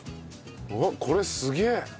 うわっこれすげえ！